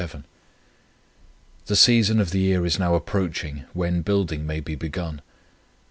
The season of the year is now approaching, when building may be begun.